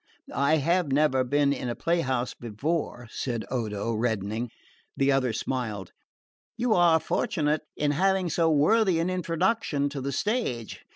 "I have never been in a play house before," said Odo reddening. The other smiled. "You are fortunate in having so worthy an introduction to the stage.